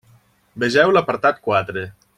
Vegeu l'apartat quatre.